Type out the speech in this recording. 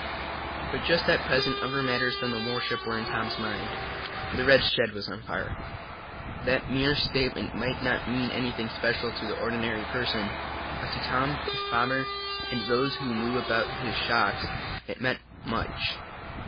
But just at present other matters than the warship were in Tom's mind. The red shed was on fire. That mere statement might not mean anything special to the ordinary person, but to Tom, his father, and those who knew about his shops, it meant much.